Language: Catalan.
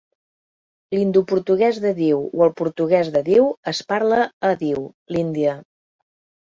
L'indoportuguès de Diu o el portuguès de Diu es parla a Diu, l'Índia.